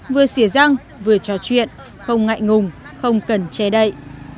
vừa xìa răng vừa trò chuyện không ngại ngùng không cần che đậy